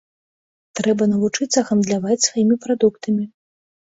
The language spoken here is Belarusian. Трэба навучыцца гандляваць сваім прадуктам.